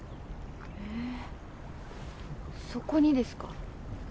へぇそこにですか？